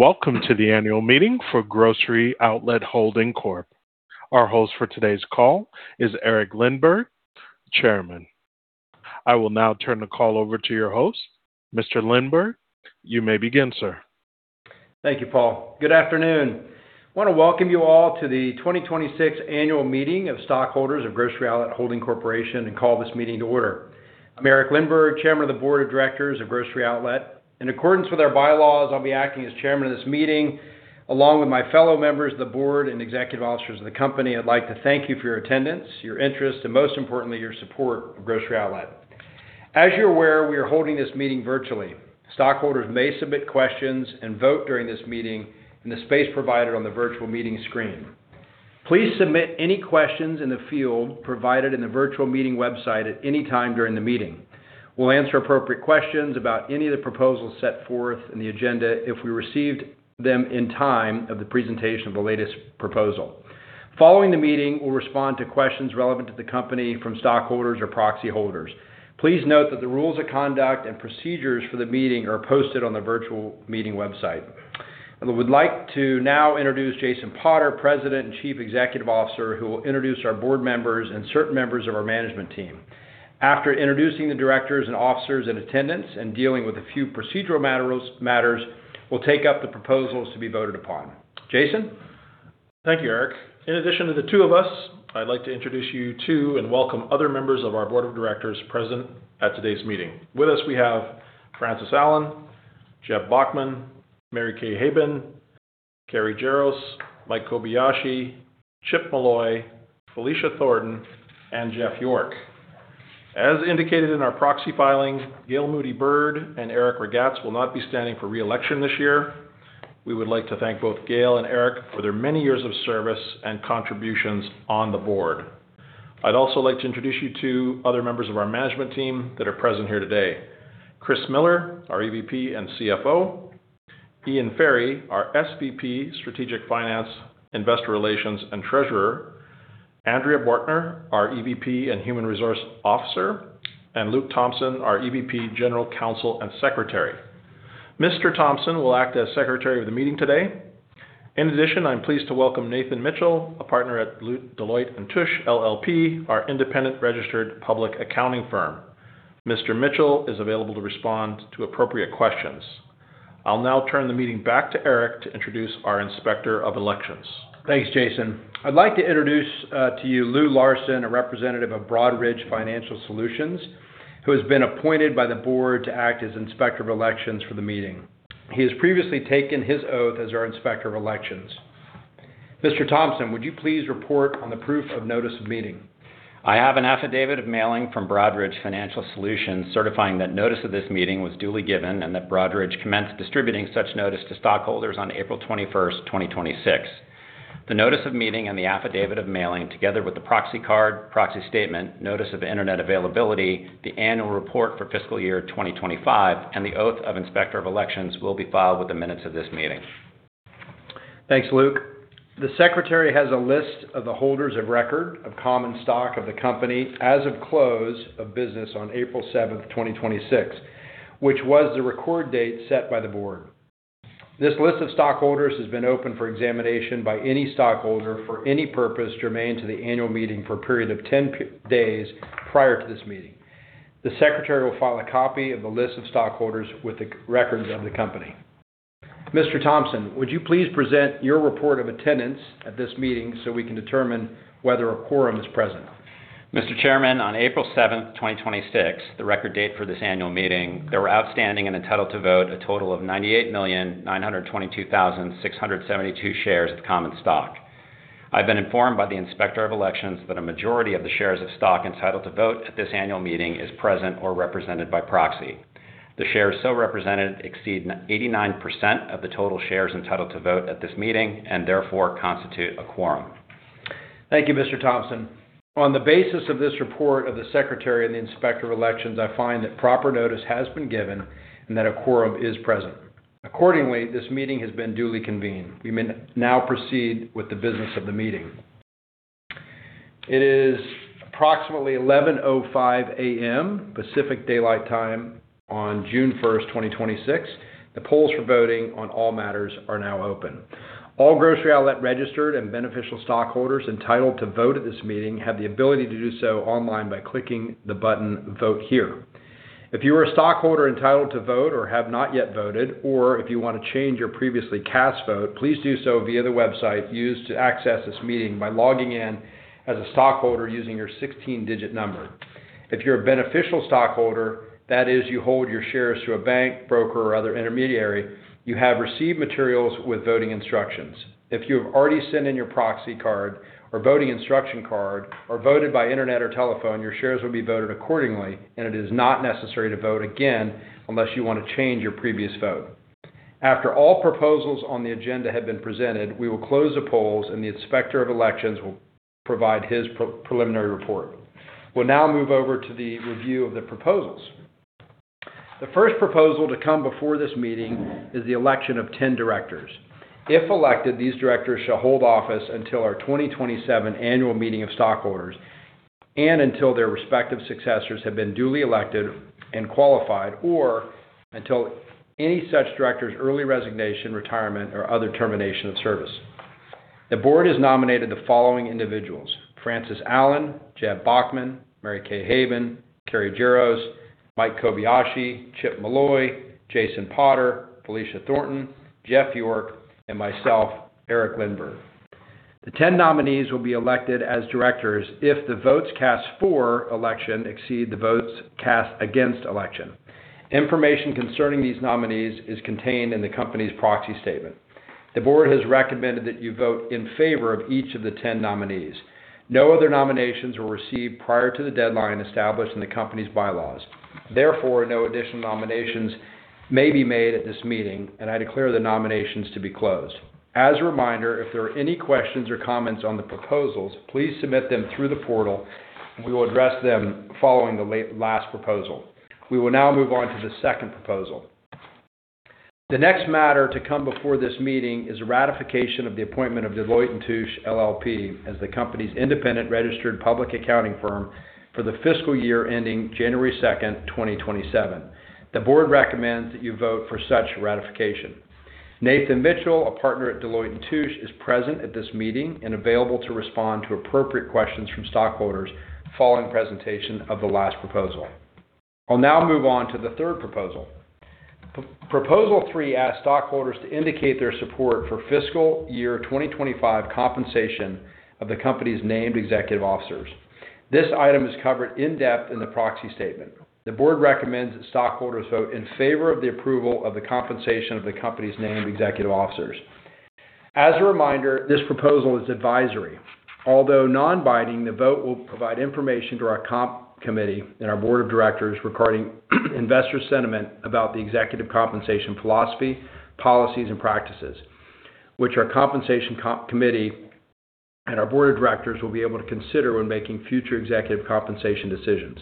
Welcome to the annual meeting for Grocery Outlet Holding Corp. Our host for today's call is Eric Lindberg, Chairman. I will now turn the call over to your host. Mr. Lindberg, you may begin, sir. Thank you, Paul. Good afternoon. I want to welcome you all to the 2026 annual meeting of stockholders of Grocery Outlet Holding Corporation and call this meeting to order. I'm Eric Lindberg, Chairman of the Board of Directors of Grocery Outlet. In accordance with our bylaws, I'll be acting as chairman of this meeting, along with my fellow members of the board and executive officers of the company. I'd like to thank you for your attendance, your interest, and most importantly, your support of Grocery Outlet. As you're aware, we are holding this meeting virtually. Stockholders may submit questions and vote during this meeting in the space provided on the virtual meeting screen. Please submit any questions in the field provided in the virtual meeting website at any time during the meeting. We'll answer appropriate questions about any of the proposals set forth in the agenda if we received them in time of the presentation of the latest proposal. Following the meeting, we'll respond to questions relevant to the company from stockholders or proxy holders. Please note that the rules of conduct and procedures for the meeting are posted on the virtual meeting website. I would like to now introduce Jason Potter, President and Chief Executive Officer, who will introduce our board members and certain members of our management team. After introducing the directors and officers in attendance and dealing with a few procedural matters, we'll take up the proposals to be voted upon. Jason? Thank you, Eric. In addition to the two of us, I'd like to introduce you to and welcome other members of our board of directors present at today's meeting. With us, we have Frances Allen, Jeb Bachman, Mary Kay Haben, Carey Jaros, Michael Kobayashi, Chip Molloy, Felicia Thornton, and Jeffrey York. As indicated in our proxy filing, Gail Moody-Byrd and Erik Ragatz will not be standing for re-election this year. We would like to thank both Gail and Erik for their many years of service and contributions on the board. I'd also like to introduce you to other members of our management team that are present here today. Christopher Miller, our EVP and CFO, Ian Ferry, our SVP, Strategic Finance, Investor Relations, and Treasurer, Andrea Bortner, our EVP and Human Resource Officer, and Luke Thompson, our EVP, General Counsel, and Secretary. Mr. Thompson will act as secretary of the meeting today. In addition, I'm pleased to welcome Nathan Mitchell, a partner at Deloitte & Touche LLP, our independent registered public accounting firm. Mr. Mitchell is available to respond to appropriate questions. I'll now turn the meeting back to Eric to introduce our Inspector of Elections. Thanks, Jason. I'd like to introduce to you Lu Larson, a representative of Broadridge Financial Solutions, who has been appointed by the board to act as Inspector of Elections for the meeting. He has previously taken his oath as our Inspector of Elections. Mr. Thompson, would you please report on the proof of notice of meeting? I have an affidavit of mailing from Broadridge Financial Solutions certifying that notice of this meeting was duly given and that Broadridge commenced distributing such notice to stockholders on April 21st, 2026. The notice of meeting and the affidavit of mailing, together with the proxy card, proxy statement, notice of internet availability, the annual report for fiscal year 2025, and the oath of Inspector of Elections will be filed with the minutes of this meeting. Thanks, Luke. The secretary has a list of the holders of record of common stock of the company as of close of business on April 7th, 2026, which was the record date set by the board. This list of stockholders has been open for examination by any stockholder for any purpose germane to the annual meeting for a period of 10 days prior to this meeting. The secretary will file a copy of the list of stockholders with the records of the company. Mr. Thompson, would you please present your report of attendance at this meeting so we can determine whether a quorum is present? Mr. Chairman, on April 7th, 2026, the record date for this annual meeting, there were outstanding and entitled to vote a total of 98,922,672 shares of common stock. I've been informed by the Inspector of Elections that a majority of the shares of stock entitled to vote at this annual meeting is present or represented by proxy. The shares so represented exceed 89% of the total shares entitled to vote at this meeting and therefore constitute a quorum. Thank you, Mr. Thompson. On the basis of this report of the Secretary and the Inspector of Elections, I find that proper notice has been given and that a quorum is present. Accordingly, this meeting has been duly convened. We may now proceed with the business of the meeting. It is approximately 11:05 A.M. Pacific Daylight Time on June 1st, 2026. The polls for voting on all matters are now open. All Grocery Outlet registered and beneficial stockholders entitled to vote at this meeting have the ability to do so online by clicking the button, Vote Here. If you are a stockholder entitled to vote or have not yet voted, or if you want to change your previously cast vote, please do so via the website used to access this meeting by logging in as a stockholder using your 16-digit number. If you're a beneficial stockholder, that is, you hold your shares through a bank, broker, or other intermediary, you have received materials with voting instructions. If you have already sent in your proxy card or voting instruction card or voted by internet or telephone, your shares will be voted accordingly, and it is not necessary to vote again unless you want to change your previous vote. After all proposals on the agenda have been presented, we will close the polls, and the Inspector of Elections will provide his preliminary report. We'll now move over to the review of the proposals. The first proposal to come before this meeting is the election of 10 directors. If elected, these directors shall hold office until our 2027 annual meeting of stockholders. Until their respective successors have been duly elected and qualified, or until any such director's early resignation, retirement, or other termination of service. The board has nominated the following individuals: Frances Allen, Jeb Bachman, Mary Kay Haben, Carey Jaros, Mike Kobayashi, Chip Molloy, Jason Potter, Felicia Thornton, Jeff York, and myself, Eric Lindberg. The 10 nominees will be elected as directors if the votes cast for election exceed the votes cast against election. Information concerning these nominees is contained in the company's proxy statement. The board has recommended that you vote in favor of each of the 10 nominees. No other nominations were received prior to the deadline established in the company's bylaws. Therefore, no additional nominations may be made at this meeting, and I declare the nominations to be closed. As a reminder, if there are any questions or comments on the proposals, please submit them through the portal, and we will address them following the last proposal. We will now move on to the second proposal. The next matter to come before this meeting is a ratification of the appointment of Deloitte & Touche LLP as the company's independent registered public accounting firm for the fiscal year ending January 2, 2027. The board recommends that you vote for such ratification. Nathan Mitchell, a partner at Deloitte & Touche, is present at this meeting and available to respond to appropriate questions from stockholders following presentation of the last proposal. I'll now move on to the third proposal. Proposal three asks stockholders to indicate their support for fiscal year 2025 compensation of the company's named executive officers. This item is covered in depth in the proxy statement. The Board recommends that stockholders vote in favor of the approval of the compensation of the company's named executive officers. As a reminder, this proposal is advisory. Although non-binding, the vote will provide information to our Comp Committee and our Board of Directors regarding investor sentiment about the executive compensation philosophy, policies, and practices, which our Compensation Committee and our Board of Directors will be able to consider when making future executive compensation decisions.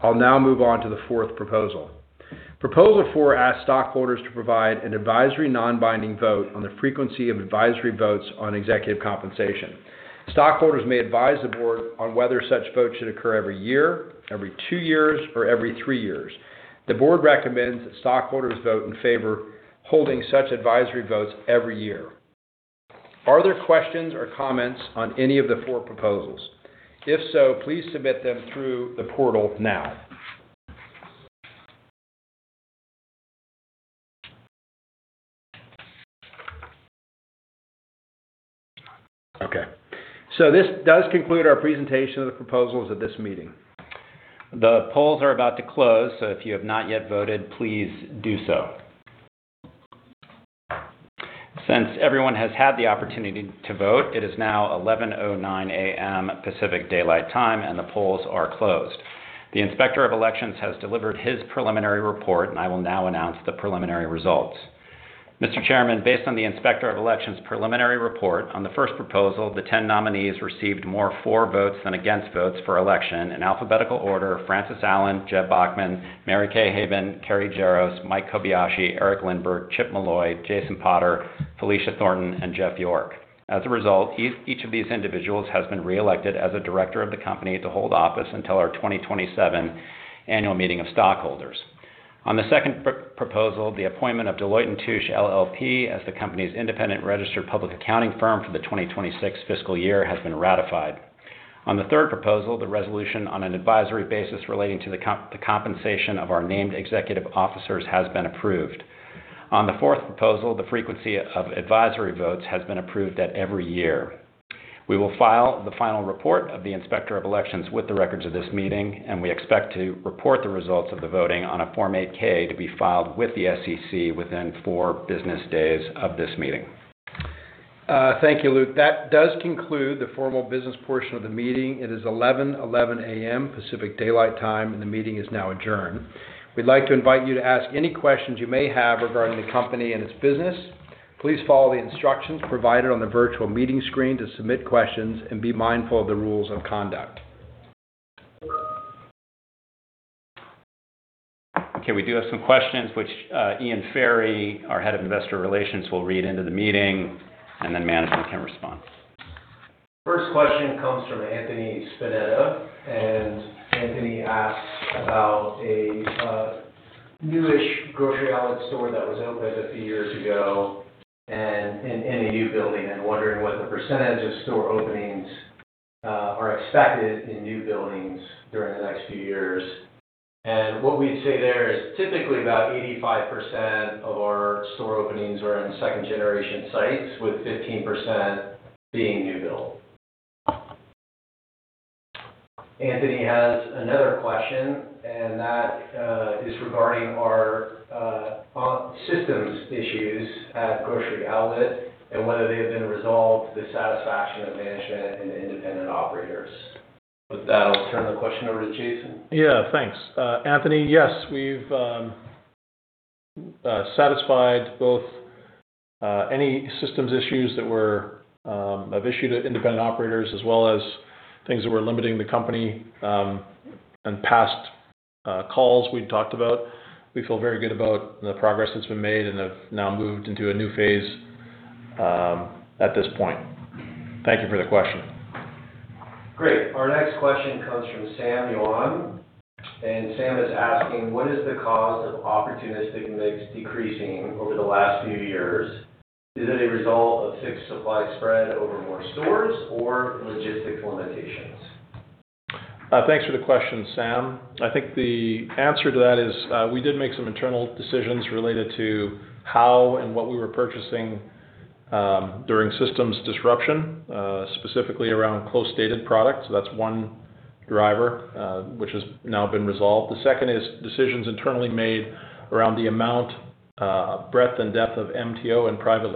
I'll now move on to the fourth proposal. Proposal four asks stockholders to provide an advisory, non-binding vote on the frequency of advisory votes on executive compensation. Stockholders may advise the Board on whether such votes should occur every year, every two years, or every three years. The Board recommends that stockholders vote in favor holding such advisory votes every year. Are there questions or comments on any of the four proposals? If so, please submit them through the portal now. Okay, this does conclude our presentation of the proposals at this meeting. The polls are about to close, so if you have not yet voted, please do so. Since everyone has had the opportunity to vote, it is now 11:09 A.M. Pacific Daylight Time, and the polls are closed. The Inspector of Elections has delivered his preliminary report, and I will now announce the preliminary results. Mr. Chairman, based on the Inspector of Election's preliminary report on the first proposal, the 10 nominees received more for votes than against votes for election in alphabetical order: Frances Allen, Jeb Bachman, Mary Kay Haben, Carey Jaros, Mike Kobayashi, Eric Lindberg, Chip Molloy, Jason Potter, Felicia Thornton, and Jeff York. As a result, each of these individuals has been reelected as a director of the company to hold office until our 2027 annual meeting of stockholders. On the second proposal, the appointment of Deloitte & Touche LLP as the company's independent registered public accounting firm for the 2026 fiscal year has been ratified. On the third proposal, the resolution on an advisory basis relating to the compensation of our named executive officers has been approved. On the fourth proposal, the frequency of advisory votes has been approved at every year. We will file the final report of the Inspector of Elections with the records of this meeting, and we expect to report the results of the voting on a Form 8-K to be filed with the SEC within four business days of this meeting. Thank you, Luke. That does conclude the formal business portion of the meeting. It is 11:11 A.M. Pacific Daylight Time, and the meeting is now adjourned. We'd like to invite you to ask any questions you may have regarding the company and its business. Please follow the instructions provided on the virtual meeting screen to submit questions and be mindful of the rules of conduct. Okay. We do have some questions, which Ian Ferry, our head of investor relations, will read into the meeting, and then management can respond. First question comes from Anthony Spinetta, and Anthony asks about a newish Grocery Outlet store that was opened a few years ago and in a new building and wondering what the percentage of store openings are expected in new buildings during the next few years. What we'd say there is typically about 85% of our store openings are in second-generation sites, with 15% being new build. Anthony has another question, and that is regarding our systems issues at Grocery Outlet and whether they have been resolved to the satisfaction of management and independent operators. With that, I'll turn the question over to Jason. Thanks, Anthony. Yes, we've satisfied both any systems issues that were of issue to independent operators as well as things that were limiting the company in past calls we'd talked about. We feel very good about the progress that's been made and have now moved into a new phase. At this point. Thank you for the question. Great. Our next question comes from Sam Yuan. Sam is asking: what is the cause of opportunistic mix decreasing over the last few years? Is it a result of fixed supply spread over more stores or logistics limitations? Thanks for the question, Sam. I think the answer to that is we did make some internal decisions related to how and what we were purchasing during systems disruption, specifically around close-dated products. That's one driver, which has now been resolved. The second is decisions internally made around the amount, breadth, and depth of MTO and private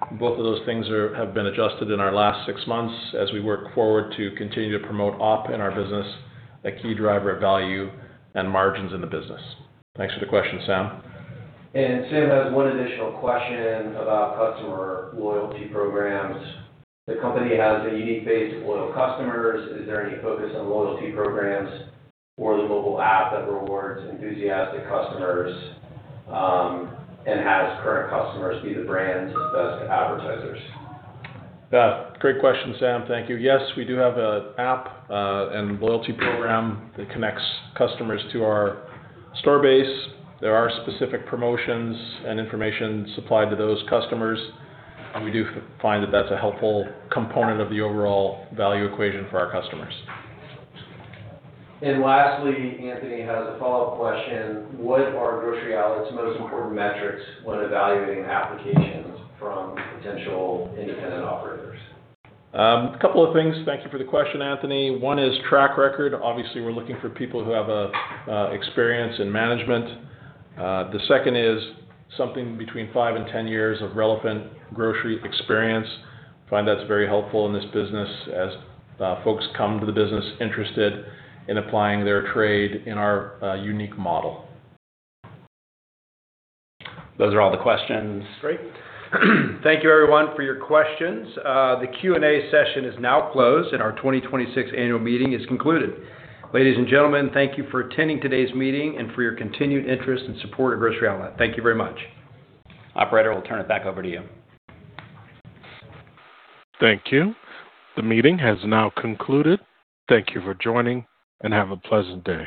label. Both of those things have been adjusted in our last six months as we work forward to continue to promote op in our business, a key driver of value and margins in the business. Thanks for the question, Sam. Sam has one additional question about customer loyalty programs. The company has a unique base of loyal customers. Is there any focus on loyalty programs for the mobile app that rewards enthusiastic customers, and has current customers be the brand's best advertisers? Yeah. Great question, Sam. Thank you. Yes, we do have an app and loyalty program that connects customers to our store base. There are specific promotions and information supplied to those customers. We do find that that's a helpful component of the overall value equation for our customers Lastly, Anthony has a follow-up question. What are Grocery Outlet's most important metrics when evaluating applications from potential independent operators? A couple of things. Thank you for the question, Anthony. One is track record. Obviously, we're looking for people who have experience in management. The second is something between five and 10 years of relevant grocery experience. We find that's very helpful in this business as folks come to the business interested in applying their trade in our unique model. Those are all the questions. Great. Thank you everyone for your questions. The Q&A session is now closed, and our 2026 annual meeting is concluded. Ladies and gentlemen, thank you for attending today's meeting and for your continued interest and support of Grocery Outlet. Thank you very much. Operator, we'll turn it back over to you. Thank you. The meeting has now concluded. Thank you for joining, and have a pleasant day.